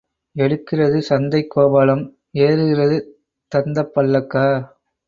எடுக்கிறது சந்தைக் கோபாலம் ஏறுகிறது தந்தப் பல்லக்கா?